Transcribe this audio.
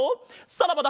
さらばだ